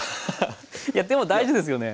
いやでも大事ですよね。